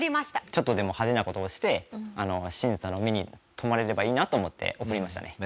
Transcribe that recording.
ちょっとでも派手な事をして審査の目に留まればいいなと思って送りましたね。